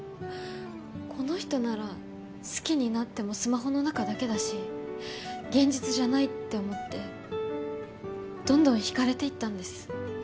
この人なら好きになってもスマホの中だけだし現実じゃないって思ってどんどん惹かれていったんです。